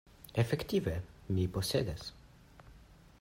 Efektive mi posedas.